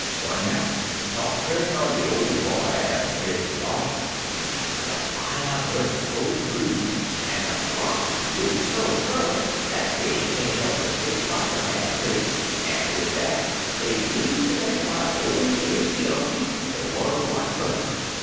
One night, de talk turned on de or Boy an' his b'longin's. De fier burnt so blue an' de sparks flew'd so fur, dat dey can't he'p but think 'bout de Bad Place, an' wid dat, dey bleeze ter think 'bout ol' Impty Umpty, de one what runs it.